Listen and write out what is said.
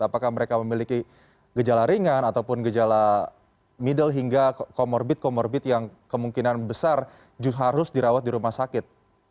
apakah mereka memiliki gejala ringan ataupun gejala middle hingga comorbid comorbid yang kemungkinan besar harus dirawat di rumah sakit